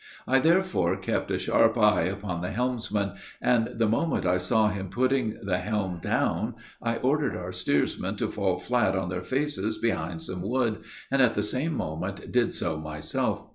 I therefore kept a sharp eye upon the helmsman, and the moment I saw him putting the helm down, I ordered our steersman to fall flat on their faces behind some wood, and, at the same moment, did so myself.